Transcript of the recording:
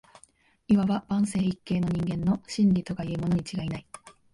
謂わば万世一系の人間の「真理」とかいうものに違いない